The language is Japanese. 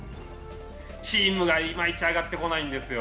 チームがいまいち上がってこないんですよ。